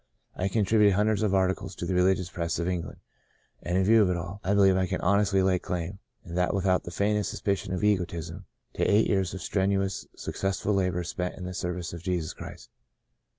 I contributed hundreds of ar ticles to the religious press of England, and in view of it all, I believe I can honestly lay claim, and that without the faintest suspicion of egotism, to eight years of strenuous, suc cessful labour spent in the service of Jesus Christ.